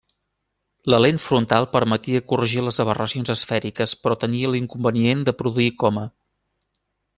La lent frontal permetia corregir les aberracions esfèriques però tenia l'inconvenient de produir coma.